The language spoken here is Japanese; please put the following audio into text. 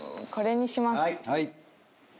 これにします。